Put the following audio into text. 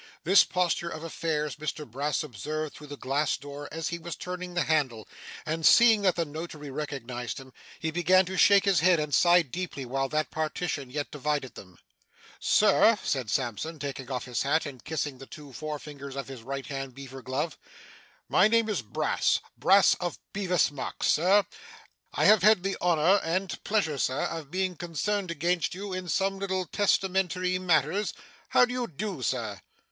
This posture of affairs Mr Brass observed through the glass door as he was turning the handle, and seeing that the notary recognised him, he began to shake his head and sigh deeply while that partition yet divided them. 'Sir,' said Sampson, taking off his hat, and kissing the two fore fingers of his right hand beaver glove, 'my name is Brass Brass of Bevis Marks, Sir. I have had the honour and pleasure, Sir, of being concerned against you in some little testamentary matters. How do you do, sir?